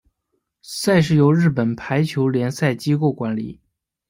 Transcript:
赛事由日本排球联赛机构管理。